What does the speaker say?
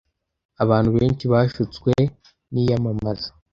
Abantu benshi bashutswe niyamamaza.